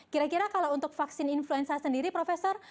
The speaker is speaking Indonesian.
kira kira kalau untuk vaksin influenza sendiri profesor